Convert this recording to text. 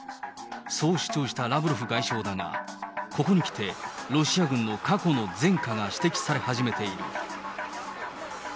そう主張したラブロフ外相だが、ここにきて、ロシア軍の過去の前科が指摘され始めている。